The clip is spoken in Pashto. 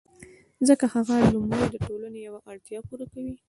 ځکه هغه لومړی د ټولنې یوه اړتیا پوره کوي